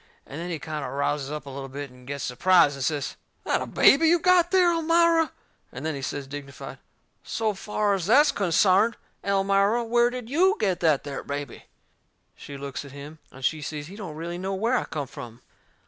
And then he kind o' rouses up a little bit, and gets surprised and says: "That a BABY you got there, Elmira?" And then he says, dignified: "So fur as that's consarned, Elmira, where did YOU get that there baby?" She looks at him, and she sees he don't really know where I come from.